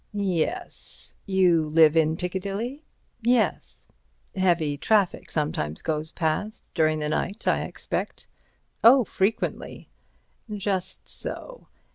"Yes. You live in Piccadilly?" "Yes." "Heavy traffic sometimes goes past during the night, I expect." "Oh, frequently." "Just so.